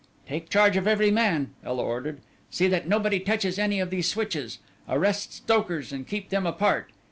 "Take charge of every man," Ela ordered; "see that nobody touches any of these switches. Arrest stokers and keep them apart.